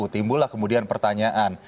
timbulah kemudian pertanyaan